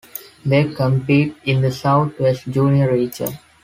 They compete in the South West Junior region.